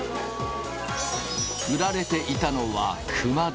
売られていたのは熊手。